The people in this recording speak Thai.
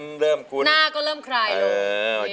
หน้าก็เริ่มไขลลูก